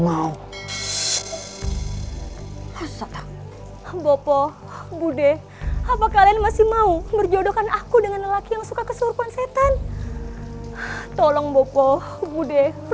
ayolah ayolah tuanku berlela zoim auch habe aber